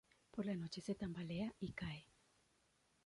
Por la noche, se tambalea y cae.